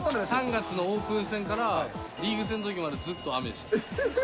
３月のオープン戦からリーグ戦のときまでずっと雨でした。